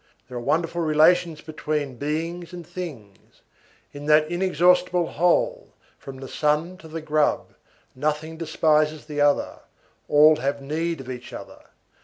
There are marvellous relations between beings and things; in that inexhaustible whole, from the sun to the grub, nothing despises the other; all have need of each other.